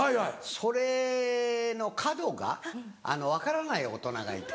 それの角が分からない大人がいて。